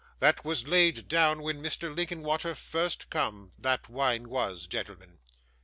That was laid down when Mr. Linkinwater first come: that wine was, gentlemen.